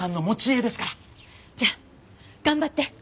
じゃあ頑張って。